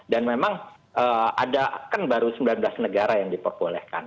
dan memang ada kan baru sembilan belas negara yang diperbolehkan